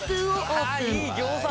ああっいい餃子！